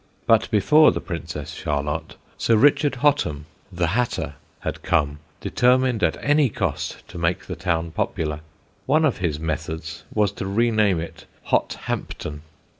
But before the Princess Charlotte Sir Richard Hotham, the hatter, had come, determined at any cost to make the town popular. One of his methods was to rename it Hothampton.